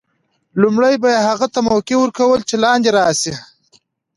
لومړی به یې هغو ته موقع ور کول چې لاندې راشي.